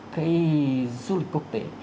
cái du lịch quốc tế